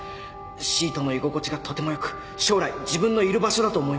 シートの居心地がとても良く将来自分のいる場所だと思いました。